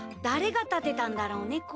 誰が建てたんだろうね？